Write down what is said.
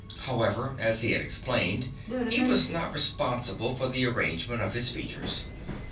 However, as he had explained, he was not responsible for the arrangement of his features.